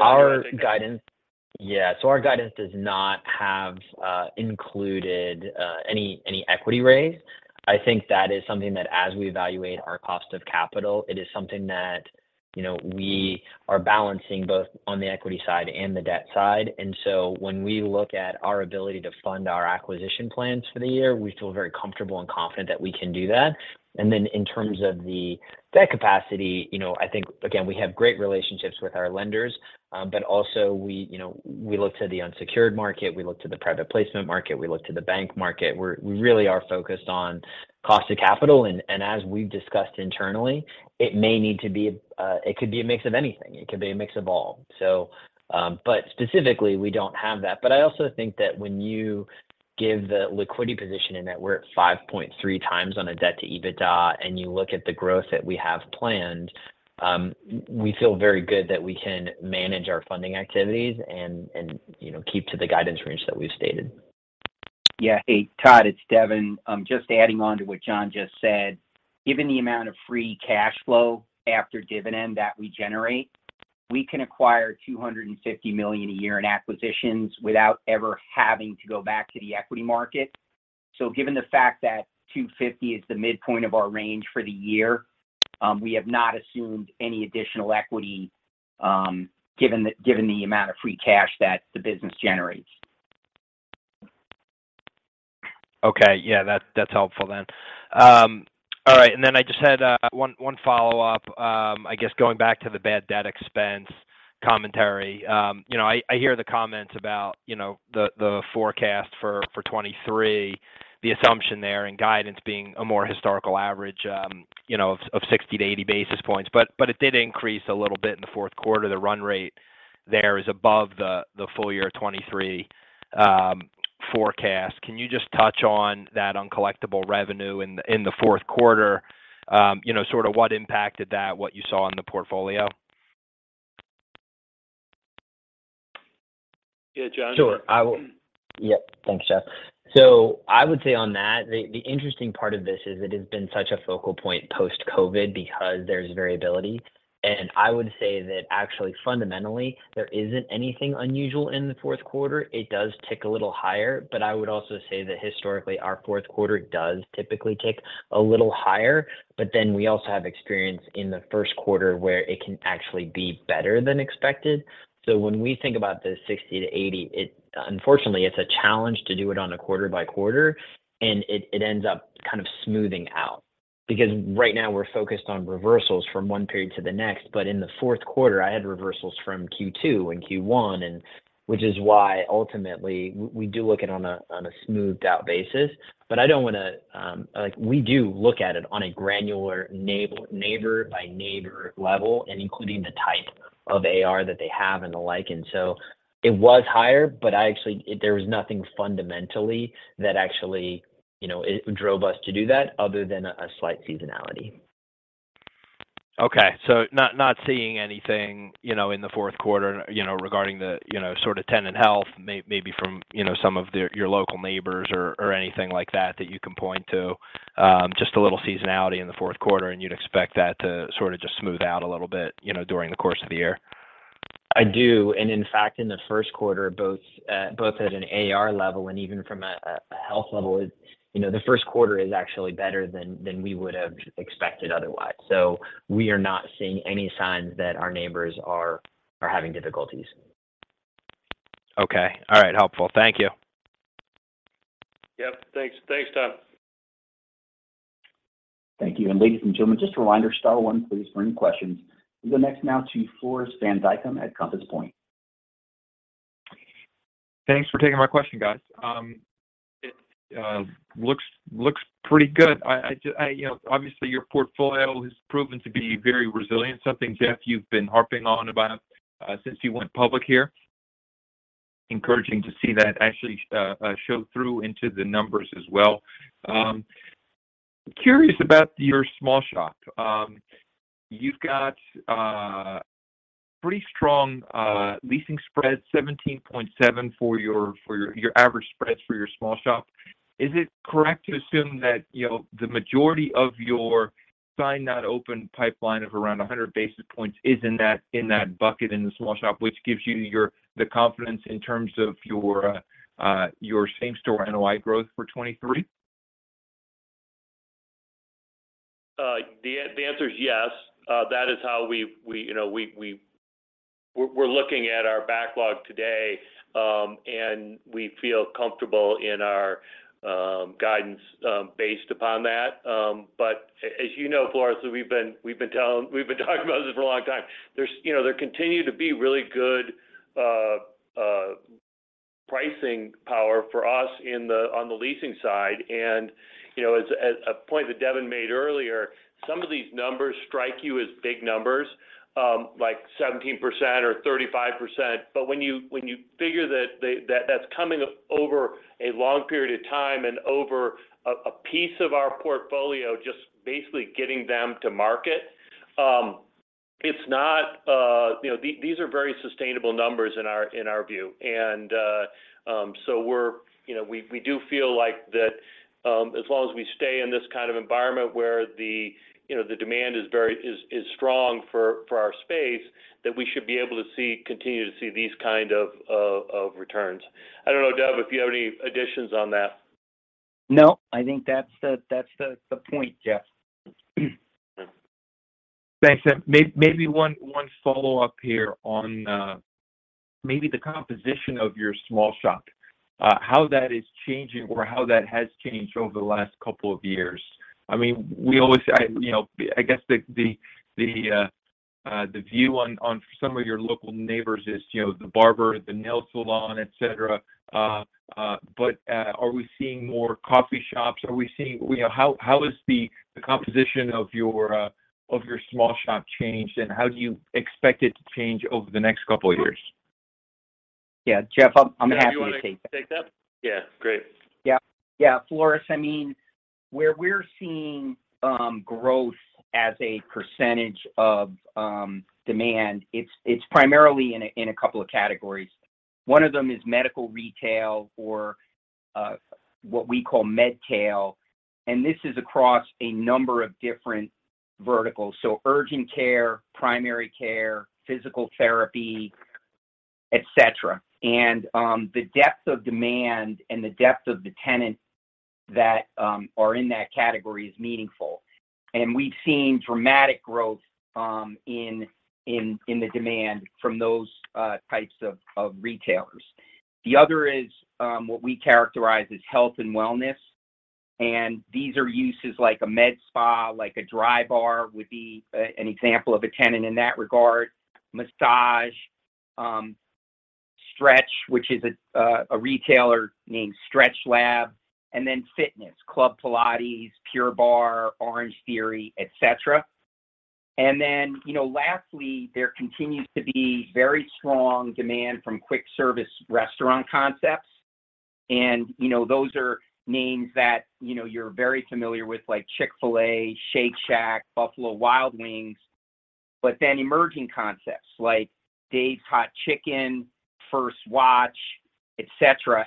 Our guidance does not have included any equity raise. I think that is something that as we evaluate our cost of capital, it is something that, you know, we are balancing both on the equity side and the debt side. When we look at our ability to fund our acquisition plans for the year, we feel very comfortable and confident that we can do that. In terms of the debt capacity, you know, I think, again, we have great relationships with our lenders, but also we, you know, we look to the unsecured market, we look to the private placement market, we look to the bank market. We really are focused on cost of capital. As we've discussed internally, it may need to be, it could be a mix of anything. It could be a mix of all. Specifically, we don't have that. I also think that when you give the liquidity position and that we're at 5.3x on a debt to EBITDA, and you look at the growth that we have planned, we feel very good that we can manage our funding activities and, you know, keep to the guidance range that we've stated. Hey, Todd, it's Devin. I'm just adding on to what John just said. Given the amount of free cash flow after dividend that we generate, we can acquire $250 million a year in acquisitions without ever having to go back to the equity market. Given the fact that 250 is the midpoint of our range for the year, we have not assumed any additional equity, given the amount of free cash that the business generates. Okay. Yeah. That, that's helpful then. All right. I just had one follow-up. I guess going back to the bad debt expense commentary. I hear the comments about the forecast for 2023, the assumption there and guidance being a more historical average of 60-80 basis points. It did increase a little bit in the fourth quarter. The run rate there is above the full year 2023 forecast. Can you just touch on that uncollectible revenue in the fourth quarter? Sort of what impacted that, what you saw in the portfolio? Yeah, John. Sure. Yep. Thanks, Jeff. I would say on that, the interesting part of this is it has been such a focal point post-COVID because there's variability. I would say that actually, fundamentally, there isn't anything unusual in the fourth quarter. It does tick a little higher, but I would also say that historically, our fourth quarter does typically tick a little higher. We also have experience in the first quarter where it can actually be better than expected. When we think about the 60-80, unfortunately, it's a challenge to do it on a quarter by quarter, and it ends up kind of smoothing out. Right now we're focused on reversals from one period to the next. In the fourth quarter, I had reversals from Q2 and Q1, which is why ultimately we do look at on a smoothed out basis. I don't want to. Like, we do look at it on a granular neighbor by neighbor level, including the type of AR that they have and the like. It was higher, but I actually there was nothing fundamentally that actually, you know, it drove us to do that other than a slight seasonality. Not, not seeing anything, you know, in the fourth quarter, you know, regarding the, you know, sort of tenant health maybe from, you know, some of their, your local neighbors or anything like that you can point to. Just a little seasonality in the fourth quarter, and you'd expect that to sort of just smooth out a little bit, you know, during the course of the year. I do. In fact, in the first quarter, both at an AR level and even from a health level, you know, the first quarter is actually better than we would have expected otherwise. We are not seeing any signs that our neighbors are having difficulties. Okay. All right. Helpful. Thank you. Yep. Thanks. Thanks, Tom. Thank you. Ladies and gentlemen, just a reminder, star 1 please for any questions. We'll go next now to Floris Van Dijkum at Compass Point. Thanks for taking my question, guys. It looks pretty good. I You know, obviously, your portfolio has proven to be very resilient, something, Jeff, you've been harping on about since you went public here. Encouraging to see that actually show through into the numbers as well. Curious about your small shop. You've got pretty strong leasing spreads, 17.7 for your average spreads for your small shop. Is it correct to assume that, you know, the majority of your signed but not open pipeline of around 100 basis points is in that, in that bucket in the small shop, which gives you the confidence in terms of your same store NOI growth for 2023? The answer is yes. That is how we're looking at our backlog today, and we feel comfortable in our guidance based upon that. As you know, Floris, we've been talking about this for a long time. There continue to be really good pricing power for us on the leasing side. As a point that Devin made earlier, some of these numbers strike you as big numbers, like 17% or 35%. When you figure that that's coming over a long period of time and over a piece of our portfolio, just basically getting them to market, it's not. You know, these are very sustainable numbers in our, in our view. We're, you know, we do feel like that, as long as we stay in this kind of environment where the, you know, the demand is strong for our space, that we should be able to see, continue to see these kind of returns. I don't know, Dev, if you have any additions on that. No, I think that's the point, Jeff. Thanks. Maybe one follow-up here on maybe the composition of your small shop, how that is changing or how that has changed over the last couple of years. I mean, you know, I guess the view on some of your local neighbors is, you know, the barber, the nail salon, et cetera. Are we seeing more coffee shops? You know, how is the composition of your small shop changed, and how do you expect it to change over the next couple of years? Yeah. Jeff, I'm happy to take that. Yeah. You wanna take that? Yeah. Great. Yeah. Yeah. Floris, I mean, where we're seeing growth as a percentage of demand, it's primarily in a couple of categories. One of them is medical retail or what we call medtail, and this is across a number of different verticals. Urgent care, primary care, physical therapy, et cetera. The depth of demand and the depth of the tenants that are in that category is meaningful. We've seen dramatic growth in the demand from those types of retailers. The other is what we characterize as health and wellness, and these are uses like a med spa, like a Drybar would be an example of a tenant in that regard, massage, stretch, which is a retailer named StretchLab, and then fitness, Club Pilates, Pure Barre, Orange Theory, et cetera. You know, lastly, there continues to be very strong demand from quick service restaurant concepts. You know, those are names that, you know, you're very familiar with like Chick-fil-A, Shake Shack, Buffalo Wild Wings, but then emerging concepts like Dave's Hot Chicken, First Watch, et cetera.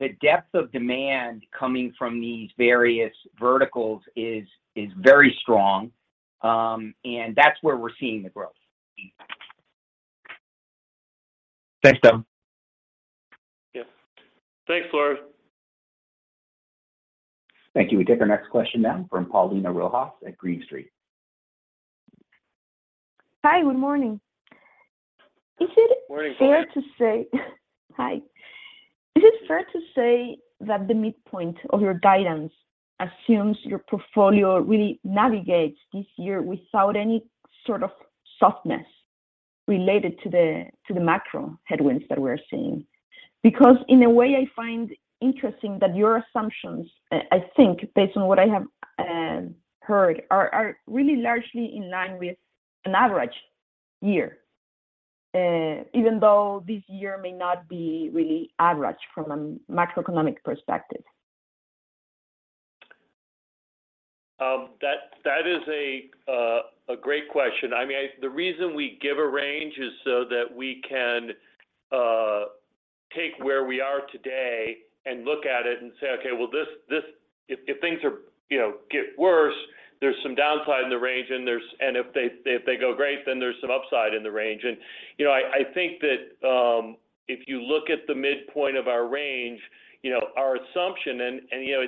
The depth of demand coming from these various verticals is very strong, and that's where we're seeing the growth. Thanks, Dev. Yep. Thanks, Floris. Thank you. We take our next question now from Paulina Rojas at Green Street. Hi, good morning. Morning. Hi. Is it fair to say that the midpoint of your guidance assumes your portfolio really navigates this year without any sort of softness related to the macro headwinds that we're seeing? In a way, I find interesting that your assumptions, I think based on what I have heard, are really largely in line with an average year. Even though this year may not be really average from a macroeconomic perspective. That is a great question. I mean. The reason we give a range is so that we can take where we are today and look at it and say, "Okay, well, if things are, you know, get worse, there's some downside in the range. If they go great, then there's some upside in the range." You know, I think that if you look at the midpoint of our range, you know, our assumption and you know,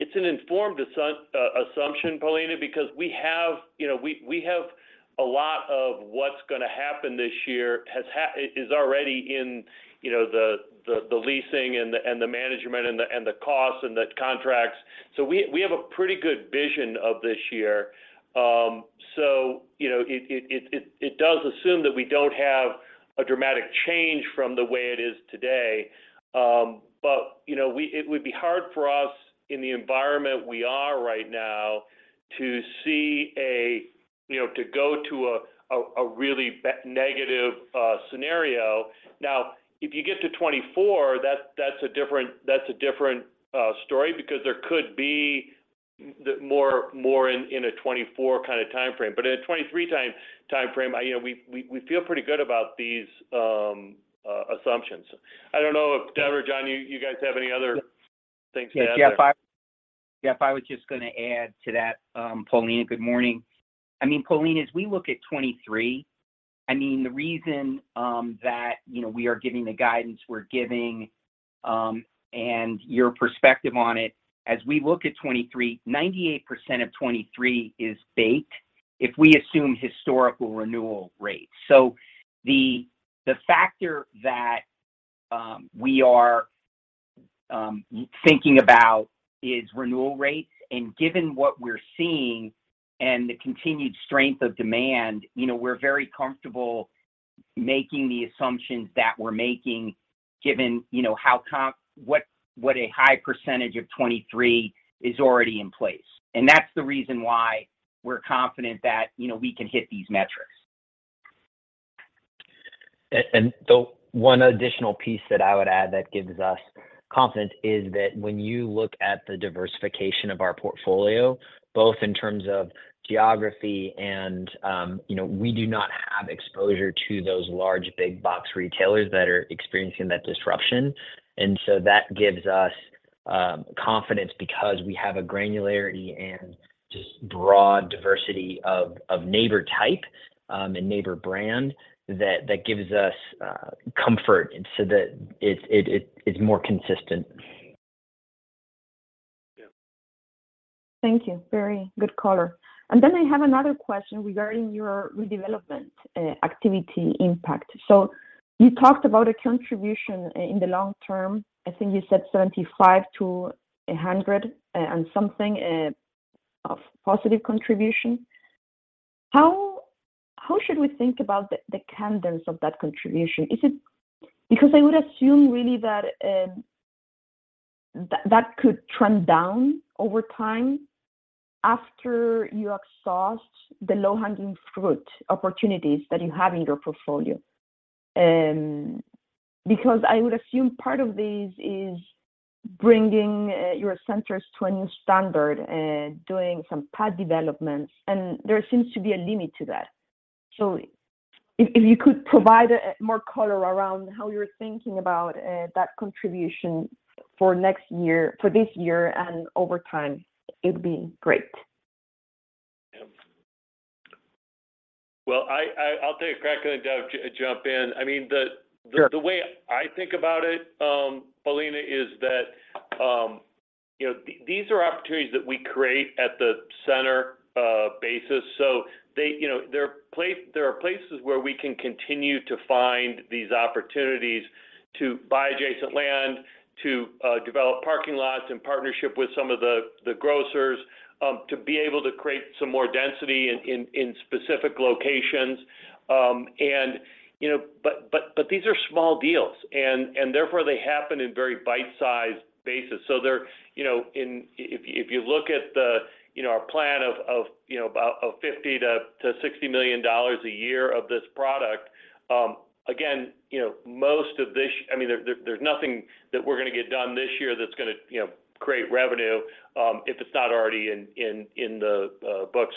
it's an informed assumption, Paulina, because we have, you know, we have a lot of what's gonna happen this year is already in, you know, the leasing and the management and the costs and the contracts. We have a pretty good vision of this year. You know, it does assume that we don't have a dramatic change from the way it is today. You know, it would be hard for us in the environment we are right now to see a, you know, to go to a really negative scenario. If you get to 2024 that's a different story because there could be more in a 2024 kind of timeframe. In a 2023 timeframe, you know, we feel pretty good about these assumptions. I don't know if Dev or John, you guys have any other things to add there. Yeah, Jeff, I was just gonna add to that. Paulina, good morning. I mean, Paulina, as we look at 2023, I mean, the reason that, you know, we are giving the guidance we're giving, and your perspective on it, as we look at 2023, 98% of 2023 is baked if we assume historical renewal rates. The factor that we are thinking about is renewal rates. Given what we're seeing and the continued strength of demand, you know, we're very comfortable making the assumptions that we're making given, you know, how what a high percentage of 2023 is already in place. That's the reason why we're confident that, you know, we can hit these metrics. The one additional piece that I would add that gives us confidence is that when you look at the diversification of our portfolio, both in terms of geography and, you know, we do not have exposure to those large big box retailers that are experiencing that disruption. That gives us confidence because we have a granularity and just broad diversity of neighbor type, and neighbor brand that gives us comfort and so that it's more consistent. Yeah. Thank you. Very good color. Then I have another question regarding your redevelopment activity impact. You talked about a contribution in the long term. I think you said 75-100 and something of positive contribution. How should we think about the cadence of that contribution? Is it? Because I would assume really that could trend down over time after you exhaust the low-hanging fruit opportunities that you have in your portfolio. Because I would assume part of this is bringing your centers to a new standard, doing some pad developments, and there seems to be a limit to that. If you could provide more color around how you're thinking about that contribution for this year and over time, it would be great. Yeah. Well, I'll take a crack and jump in. I mean, Sure, The way I think about it, Paulina, is that, you know, these are opportunities that we create at the center, basis. They, you know, there are places where we can continue to find these opportunities to buy adjacent land, to develop parking lots in partnership with some of the grocers, to be able to create some more density in specific locations. You know, but these are small deals and therefore they happen in very bite-sized basis. They're, you know, if you, if you look at the, you know, our plan of, you know, about, of $50 million-$60 million a year of this product, again, you know, most of this I mean, there's nothing that we're gonna get done this year that's gonna, you know, create revenue, if it's not already in the books.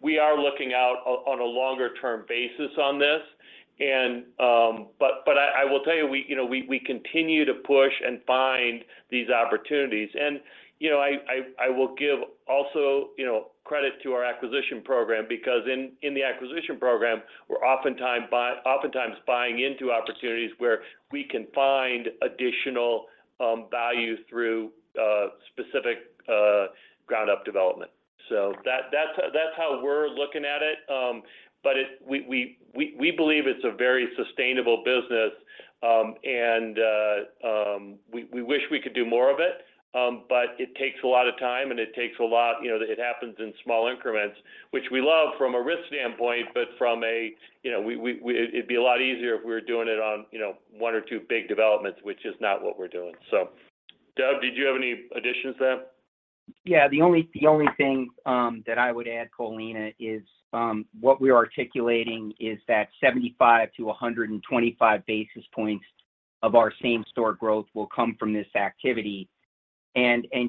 We are looking out on a longer term basis on this. I will tell you, we, you know, we continue to push and find these opportunities. You know, I will give also, you know, credit to our acquisition program because in the acquisition program, we're oftentimes buying into opportunities where we can find additional value through specific ground up development. That's how we're looking at it. But we believe it's a very sustainable business. We wish we could do more of it, but it takes a lot of time, and it takes a lot. You know, it happens in small increments, which we love from a risk standpoint, but from a, you know, we it'd be a lot easier if we were doing it on, you know, one or two big developments, which is not what we're doing. Doug, did you have any additions to that? Yeah. The only thing that I would add, Colina, is what we're articulating is that 75-125 basis points of our same-store growth will come from this activity.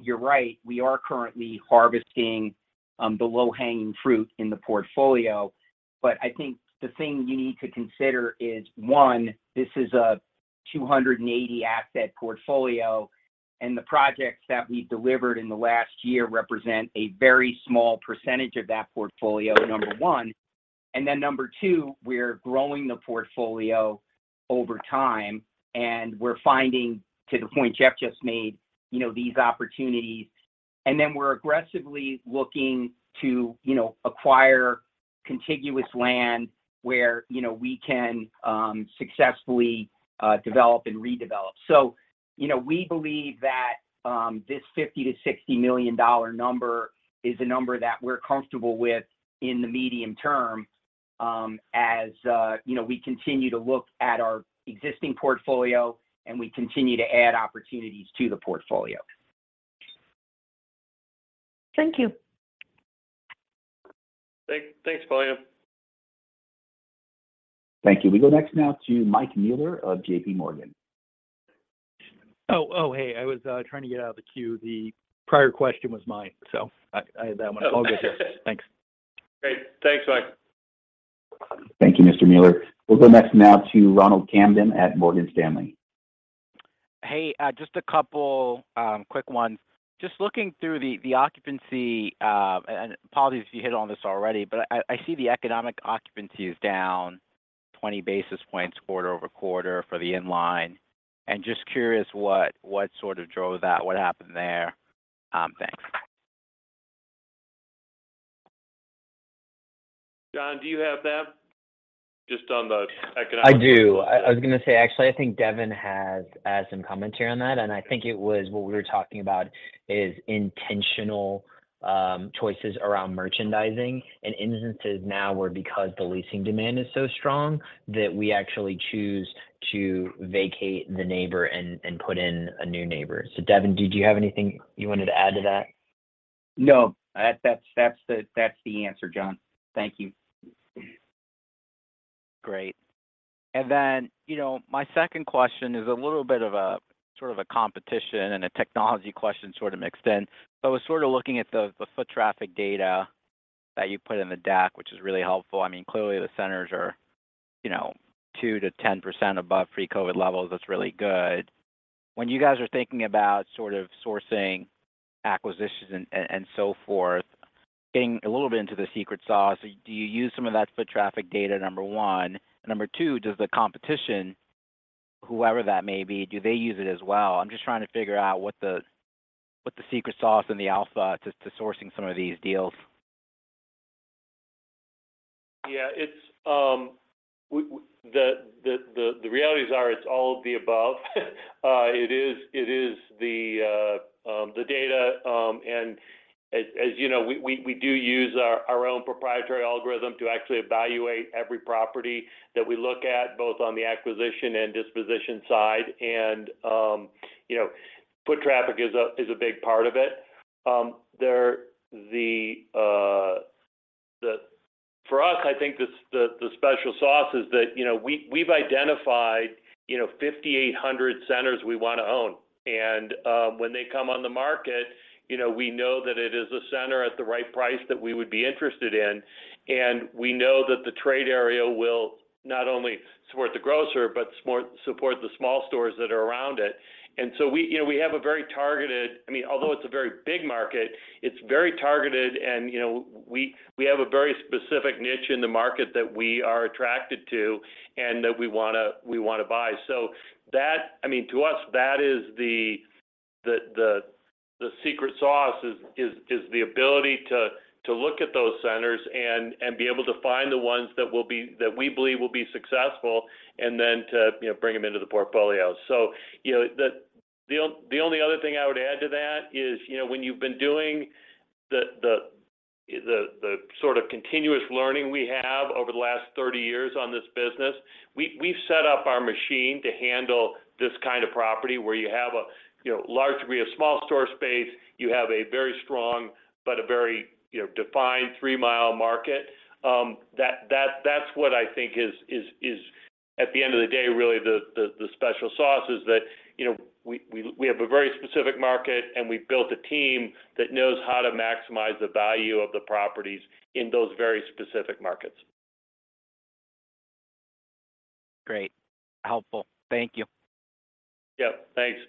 You're right, we are currently harvesting the low-hanging fruit in the portfolio. I think the thing you need to consider is, one, this is a 280 asset portfolio, and the projects that we delivered in the last year represent a very small % of that portfolio, number one. Number two, we're growing the portfolio over time, and we're finding, to the point Jeff just made, you know, these opportunities. We're aggressively looking to, you know, acquire contiguous land where, you know, we can successfully develop and redevelop. you know, we believe that, this $50 million-$60 million number is a number that we're comfortable with in the medium term, as, you know, we continue to look at our existing portfolio, and we continue to add opportunities to the portfolio. Thank you. Thanks, Paulina. Thank you. We go next now to Mike Mueller of J.P. Morgan. Hey, I was trying to get out of the queue. The prior question was mine, so I had that one. Oh. All good here. Thanks. Great. Thanks, Mike. Thank you, Mr. Mueller. We'll go next now to Ronald Camden at Morgan Stanley. Hey, just a couple quick ones. Just looking through the occupancy, and apologies if you hit on this already, but I see the economic occupancy is down 20 basis points quarter-over-quarter for the inline. Just curious what sort of drove that? What happened there? Thanks. John, do you have that, just on the. I do. I was gonna say, actually, I think Devin has some commentary on that. I think it was what we were talking about is intentional choices around merchandising in instances now where because the leasing demand is so strong that we actually choose to vacate the neighbor and put in a new neighbor. Devin, did you have anything you wanted to add to that? No. That's the answer, John. Thank you. Great. You know, my second question is a little bit of a sort of a competition and a technology question sort of mixed in. I was sort of looking at the foot traffic data that you put in the deck, which is really helpful. I mean, clearly the centers are, you know, 2%-10% above pre-COVID levels. That's really good. When you guys are thinking about sort of sourcing acquisitions and so forth, getting a little bit into the secret sauce, do you use some of that foot traffic data, number one? Number two, does the competition, whoever that may be, do they use it as well? I'm just trying to figure out what the, what the secret sauce and the alpha to sourcing some of these deals. Yeah. It's the realities are it's all of the above. It is the data. As you know, we do use our own proprietary algorithm to actually evaluate every property that we look at, both on the acquisition and disposition side. You know, foot traffic is a big part of it. For us, I think the special sauce is that, you know, we've identified, you know, 5,800 centers we wanna own. When they come on the market, you know, we know that it is a center at the right price that we would be interested in. We know that the trade area will not only support the grocer but support the small stores that are around it. We, you know, we have a very targeted... I mean, although it's a very big market, it's very targeted and, you know, we have a very specific niche in the market that we are attracted to and that we wanna buy. That, I mean, to us, that is the secret sauce is the ability to look at those centers and be able to find the ones that we believe will be successful and then to, you know, bring them into the portfolio. You know, the only other thing I would add to that is, you know, when you've been doing the sort of continuous learning we have over the last 30 years on this business, we've set up our machine to handle this kind of property where you have a, you know, large degree of small store space, you have a very strong but a very, you know, defined three mile market. That's what I think is at the end of the day, really the special sauce is that, you know, we have a very specific market, and we've built a team that knows how to maximize the value of the properties in those very specific markets. Great. Helpful. Thank you. Yep. Thanks.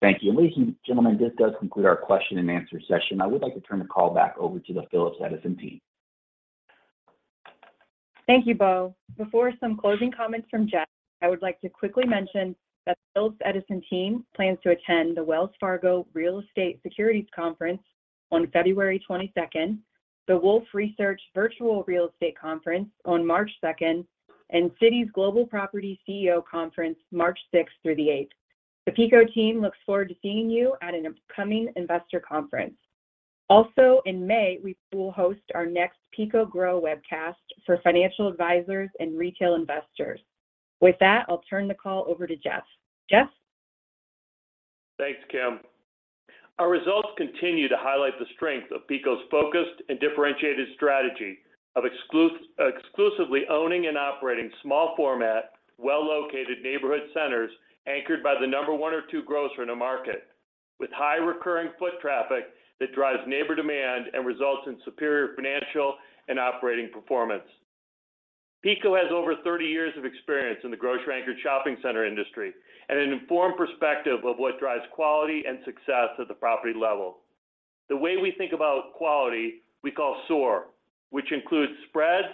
Thank you. Ladies and gentlemen, this does conclude our question and answer session. I would like to turn the call back over to the Phillips Edison team. Thank you, Bo. Before some closing comments from Jeff, I would like to quickly mention that the Phillips Edison team plans to attend the Wells Fargo Real Estate Securities Conference on February 22nd, the Wolfe Research Virtual Real Estate Conference on March 2nd, and Citi's Global Property CEO Conference March 6th through the 8th. The PECO team looks forward to seeing you at an upcoming investor conference. Also, in May, we will host our next PECO GROW webcast for financial advisors and retail investors. With that, I'll turn the call over to Jeff. Jeff? Thanks, Kim. Our results continue to highlight the strength of PECO's focused and differentiated strategy of exclusively owning and operating small format, well-located neighborhood centers anchored by the number one or two grocer in a market with high recurring foot traffic that drives neighbor demand and results in superior financial and operating performance. PECO has over 30 years of experience in the grocery-anchored shopping center industry and an informed perspective of what drives quality and success at the property level. The way we think about quality, we call SOAR, which includes spreads,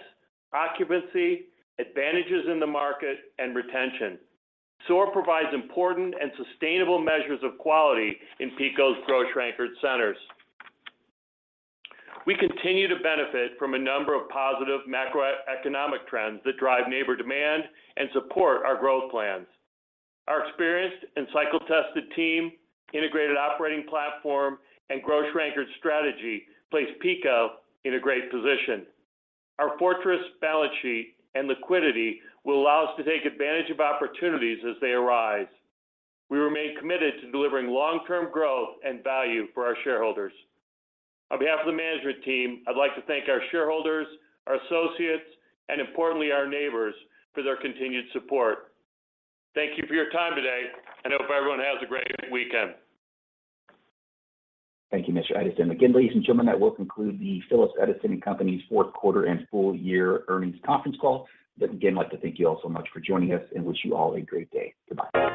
occupancy, advantages in the market, and retention. SOAR provides important and sustainable measures of quality in PECO's grocery-anchored centers. We continue to benefit from a number of positive macroeconomic trends that drive neighbor demand and support our growth plans. Our experienced and cycle-tested team, integrated operating platform, and grocery-anchored strategy place PECO in a great position. Our fortress balance sheet and liquidity will allow us to take advantage of opportunities as they arise. We remain committed to delivering long-term growth and value for our shareholders. On behalf of the management team, I'd like to thank our shareholders, our associates, and importantly, our neighbors for their continued support. Thank you for your time today, and I hope everyone has a great weekend. Thank you, Mr. Edison. Again, ladies and gentlemen, that will conclude the Phillips Edison & Company's fourth quarter and full year earnings Conference Call. Again, I'd like to thank you all so much for joining us and wish you all a great day. Goodbye.